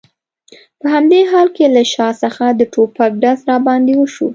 په همدې حال کې له شا څخه د ټوپک ډز را باندې وشو.